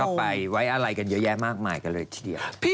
ก็ไปไว้อะไรกันเยอะแยะมากมายกันเลยทีเดียว